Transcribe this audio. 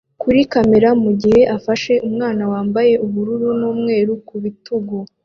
kuri kamera mugihe afashe umwana wambaye ubururu n'umweru ku bitugu